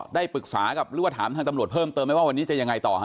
ได้ปรึกษากับหรือว่าถามทางตำรวจเพิ่มเติมไหมว่าวันนี้จะยังไงต่อฮะ